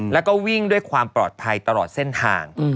แล้วก็วิ่งด้วยความปลอดภัยตลอดเส้นทาง